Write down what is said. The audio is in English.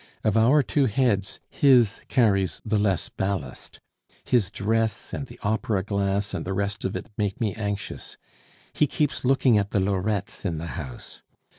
Of our two heads, his carries the less ballast. His dress, and the opera glass and the rest of it make me anxious. He keeps looking at the lorettes in the house.